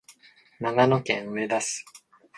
長野県上田市